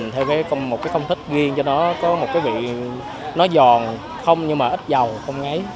theo một công thức ghiêng cho nó có vị giòn không ít dầu không ngấy